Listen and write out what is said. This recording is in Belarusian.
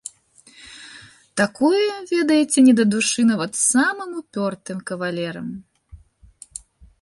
Такое, ведаеце, не да душы нават самым упёртым кавалерам.